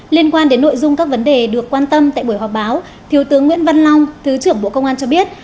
liên quan đến nội dung các vấn đề được quan tâm tại buổi họp báo thiếu tướng nguyễn văn long thứ trưởng bộ công an cho biết